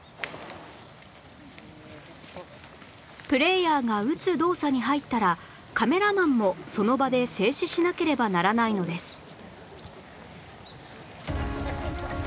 プレーヤーが打つ動作に入ったらカメラマンもその場で静止しなければならないのです